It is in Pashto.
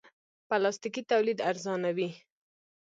پلاستيکي تولید ارزانه وي.